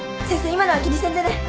今のは気にせんでね。